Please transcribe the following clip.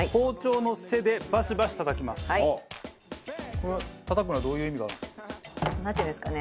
これたたくのはどういう意味がある？なんていうんですかね